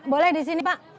boleh di sini pak